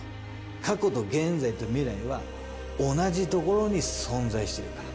過去と現在と未来は同じところに存在しているから。